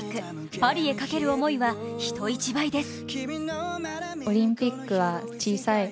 パリへかける思いは人一倍です。